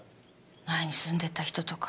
前に住んでた人とか。